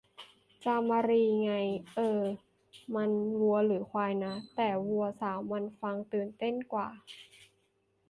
จามรี ไง เอ่อ มัน วัวหรือควายนะ แต่วัวสาวมันฟังตื่นเต้นกว่า